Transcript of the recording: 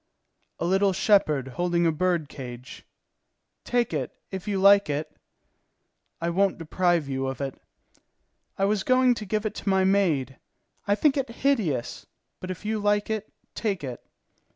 "A little shepherd holding a bird cage." "Take it, if you like it." "I won't deprive you of it." "I was going to give it to my maid. I think it hideous; but if you like it, take it."